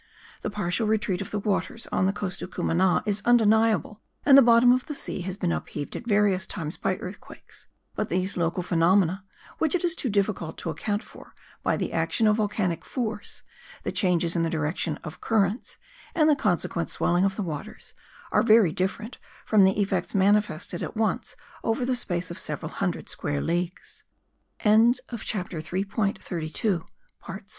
The partial retreat of the waters on the coast of Cumana is undeniable and the bottom of the sea has been upheaved at various times by earthquakes; but these local phenomena, which it is so difficult to account for by the action of volcanic force, the changes in the direction of currents, and the consequent swelling of the waters, are very different from the effects manifested at once over the space of several hundred square leagues. 4. GROUP OF THE MOUNTAINS OF PARIME. It is essent